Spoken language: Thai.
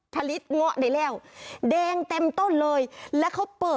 ไม่ต้องไปแล้วย่องนะเด้อ